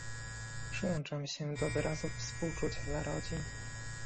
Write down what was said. Przyłączam się do wyrazów współczucia dla rodzin